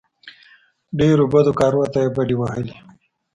ډېرو بدو کارو ته یې بډې وهلې.